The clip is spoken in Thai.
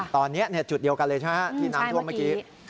ตอนนี้จุดเดียวกันเลยใช่ไหมที่น้ำท่วมเมื่อกี้